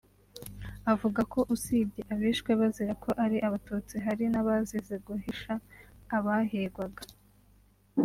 avuga ko usibye abishwe bazira ko ari abatutsi hari n’abazize guhisha abahigwaga